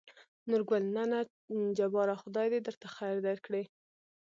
نورګل: نه نه جباره خداى د درته خېر درکړي.